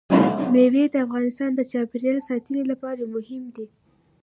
مېوې د افغانستان د چاپیریال ساتنې لپاره مهم دي.